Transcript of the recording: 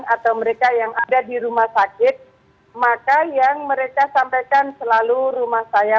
atau mereka yang ada di rumah sakit maka yang mereka sampaikan selalu rumah saya